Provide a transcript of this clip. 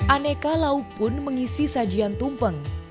aneka lauk pun mengisi sajian tumpeng